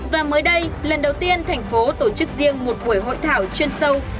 và mới đây lần đầu tiên thành phố tổ chức riêng một buổi hội thảo chuyên sâu